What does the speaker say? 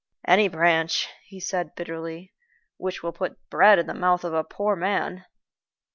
"Any branch," he said, bitterly, "which will put bread into the mouth of a poor man."